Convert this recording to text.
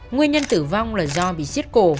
nguyên nhân tử vong là do bị xiết cổ